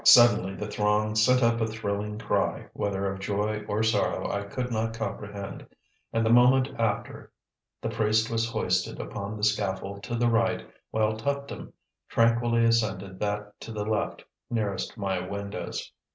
Suddenly the throng sent up a thrilling cry, whether of joy or sorrow I could not comprehend, and, the moment after, the priest was hoisted upon the scaffold to the right, while Tuptim tranquilly ascended that to the left, nearest my windows.